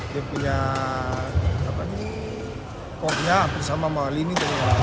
dia punya koknya hampir sama sama lini